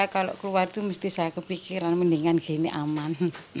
kalau keluar itu mesti saya kepikiran mendingan gini aman